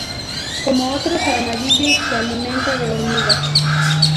Como otros armadillos, se alimenta de hormigas.